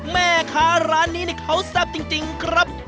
แม่ค้าร้านนี้เขาแซ่บจริงครับ